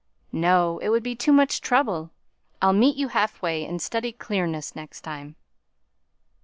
"No! It would be too much trouble. I'll meet you half way, and study clearness next time."